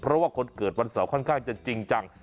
เพราะว่าคนเกิดวันเสาร์ค่อนข้างจะจริงจัง